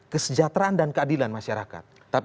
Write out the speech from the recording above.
kesejahteraan dan keadilan masyarakat